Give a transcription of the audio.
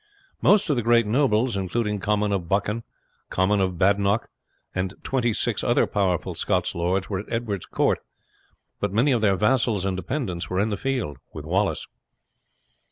Most of the great nobles, including Comyn of Buchan, Comyn of Badenoch, and twenty six other powerful Scottish lords, were at Edward's court, but many of their vassals and dependants were in the field with Wallace.